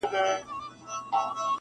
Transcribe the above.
نه په ژمي نه په دوبي کي وزګار وو -